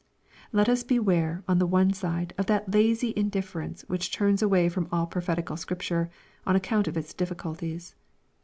Let us beware, on the one side, of that lazy indifference which turns away from all prophetical Scripture, on account of its diflBculties.